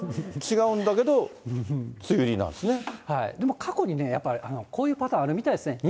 でも、過去にやっぱりこういうパターンあるみたいですね。